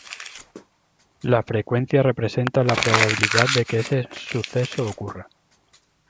La frecuencia representa la probabilidad de que ese suceso ocurra.